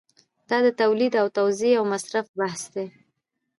دا د تولید او توزیع او مصرف بحث دی.